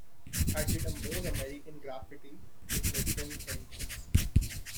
I did a "More American Graffiti"; it made ten cents.